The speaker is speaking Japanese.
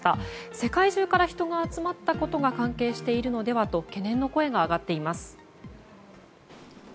世界中から人が集まったことが関係しているのではと懸念の声が上がっています。